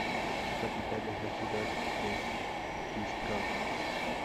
Su capital es la ciudad de Vyškov.